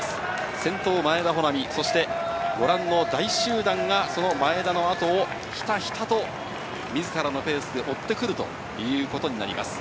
先頭、前田穂南、そして、ご覧の大集団がその前田のあとをひたひたと、みずからのペースで追ってくるということになります。